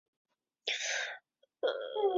宾州线也是唯一周末仍有班车营运的路线。